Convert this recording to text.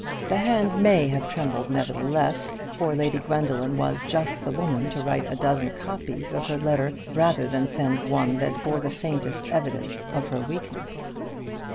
The hand may have trembled, nevertheless; for Lady Gwendoline was just the woman to write a dozen copies of her letter rather than send one that bore the faintest evidence of her weakness.